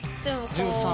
１３。